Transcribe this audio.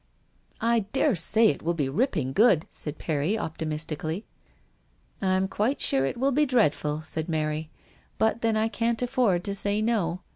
" I dare say it will be ripping good," said Perry optimistically. "I am quite sure it will be dreadful," said Mary ;" but then I can't afford to say no.